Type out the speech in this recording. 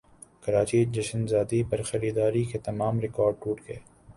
کراچی جشن زادی پرخریداری کے تمام ریکارڈٹوٹ گئے